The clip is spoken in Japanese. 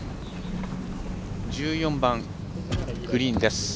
１４番、グリーンです。